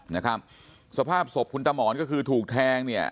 นะครับสภาพศพคุณตามอนก็คือถูกแทงเนี่ย